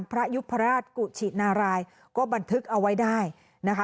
พระยุพราชกุชินารายก็บันทึกเอาไว้ได้นะคะ